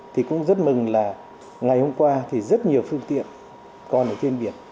thì cũng rất mừng là ngày hôm qua thì rất nhiều phương tiện còn ở trên biển